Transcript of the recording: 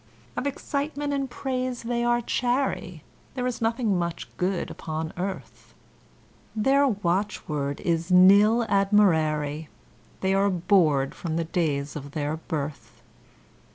Of excitement and praise they are chary, There is nothing much good upon earth; Their watchword is NIL ADMIRARI, They are bored from the days of their birth.